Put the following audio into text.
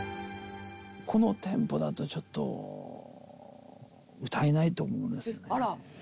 このテンポだとちょっと歌えないと思うんですよね。